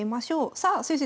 さあ先生